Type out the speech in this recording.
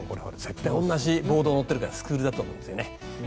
同じボードに乗ってるからスクールだと思うんですよね。